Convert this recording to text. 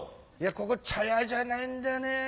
ここ茶屋じゃないんだよね。